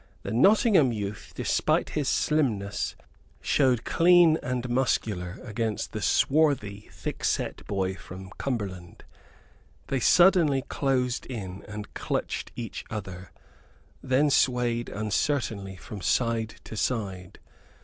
The Nottingham youth, despite his slimness, showed clean and muscular against the swarthy thick set boy from Cumberland. They suddenly closed in and clutched each other, then swayed uncertainly from side to side.